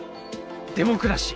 デモクラシー。